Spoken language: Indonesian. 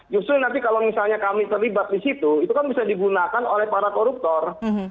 justru nanti kalau misalnya kami terlibat di situ itu kan bisa digunakan oleh para koruptor